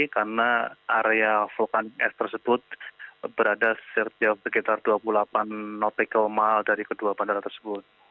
karena area volcanic ash tersebut berada sekitar dua puluh delapan nautical mile dari kedua bandara tersebut